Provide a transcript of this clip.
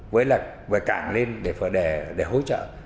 với cảng lên để hỗ trợ